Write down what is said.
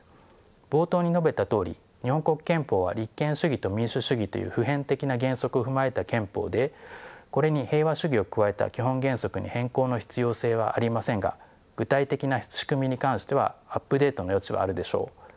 冒頭に述べたとおり日本国憲法は立憲主義と民主主義という普遍的な原則を踏まえた憲法でこれに平和主義を加えた基本原則に変更の必要性はありませんが具体的な仕組みに関してはアップデートの余地はあるでしょう。